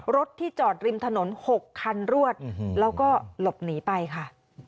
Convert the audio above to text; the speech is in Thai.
รถที่จอดริมถนน๖คันรวดแล้วก็หลบหนีไปค่ะ